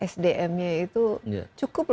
sdm nya itu cukup